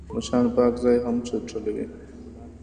مچان پاک ځای هم چټلوي